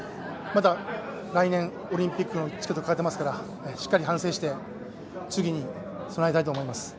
また来年、オリンピックのチケットがかかっていますからしっかり反省して次につなげたいと思います。